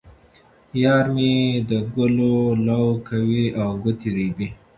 یار مې د ګلو لو کوي او ګوتې رېبي.